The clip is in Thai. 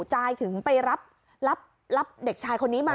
จายถึงไปรับเด็กชายคนนี้มา